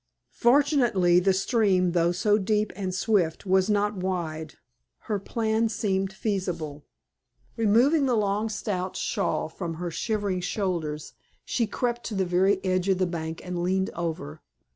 Fortunately, the stream, though so deep and swift, was not wide. Her plan seemed feasible. Removing the long, stout shawl from her shivering shoulders, she crept to the very edge of the bank and leaned over.